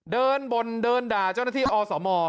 เดินบนเดินด่าเจ้าหน้าที่อสม